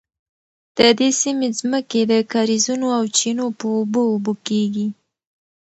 د دې سیمې ځمکې د کاریزونو او چینو په اوبو اوبه کیږي.